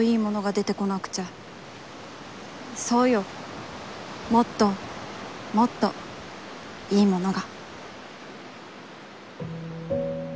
「そうよ、もっともっと、いいものが」